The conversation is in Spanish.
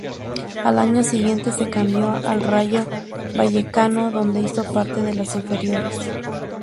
Al año siguiente, se cambió al Rayo Vallecano, donde hizo parte de las inferiores.